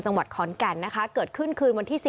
จังหวัดขอนแก่นนะคะเกิดขึ้นคืนวันที่๔